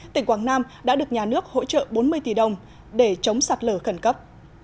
tỉnh quảng nam đã được nhà nước hỗ trợ bốn mươi tỷ đồng để chống sạt lở khẩn cấp